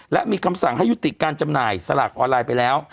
และมีคำสั่งให้ยุติการจำหน่ายสลากออนไลน์ไปแล้ว